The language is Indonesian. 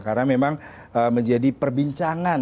karena memang menjadi perbincangan